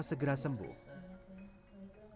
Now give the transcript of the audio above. segera sembuh terhadap segera sembuh